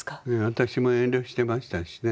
私も遠慮してましたしね。